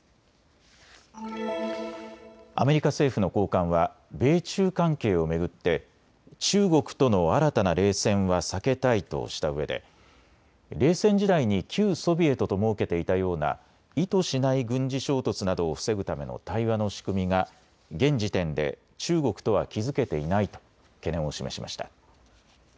アメリカ政府の高官は米中関係を巡って中国との新たな冷戦は避けたいとしたうえで、冷戦時代に旧ソビエトと設けていたような意図しない軍事衝突などを防ぐための対話の仕組みが現時点で中国とは築けていないと懸念を示しました。